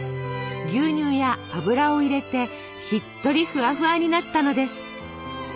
牛乳や油を入れてしっとりフワフワになったのです。